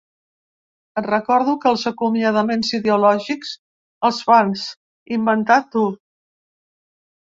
Et recordo que els acomiadaments ideològics els vas inventar tu.